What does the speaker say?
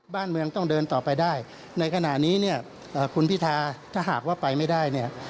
บ้านเมืองต้องเดินต่อไปได้ในขณะนี้เนี่ยคุณพิธาถ้าหากว่าไปไม่ได้เนี่ย